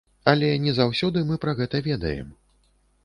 Але не заўсёды мы пра гэта ведаем.